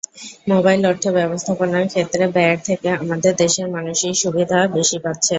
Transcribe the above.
Mobile অর্থ–ব্যবস্থাপনার ক্ষেত্রে ব্যয়ের থেকে আমাদের দেশের মানুষ সুবিধাই বেশি পাচ্ছে।